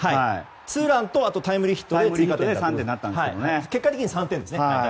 ツーランとタイムリーヒットで結果的に３点ですね。